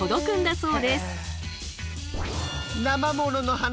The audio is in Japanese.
そう！